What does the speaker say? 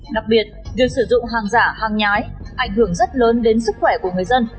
đặc biệt việc sử dụng hàng giả hàng nhái ảnh hưởng rất lớn đến sức khỏe của người dân